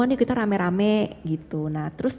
oh nih kita rame rame gitu nah terus